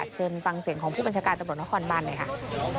เชิญฟังเสียงของผู้บัญชาการตำรวจนครบานหน่อยค่ะ